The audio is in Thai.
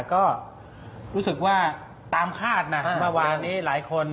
ก็รู้สึกว่าตามคาดนะเมื่อวานนี้หลายคน